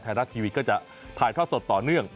ไทยรัฐทีวีก็จะถ่ายทอดสดต่อเนื่อง